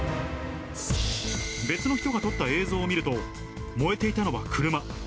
別の人が撮った映像を見ると、燃えていたのは車。